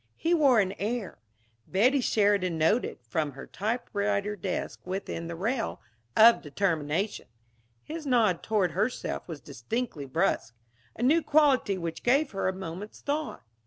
He wore an air Betty Sheridan noted, from her typewriter desk within the rail of determination. His nod toward herself was distinctly brusque; a new quality which gave her a moment's thought.